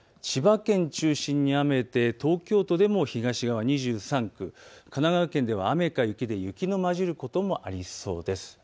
千葉県中心に雨で東京都でも東側２３区、神奈川県では雨か雪で雪の交じることもありそうです。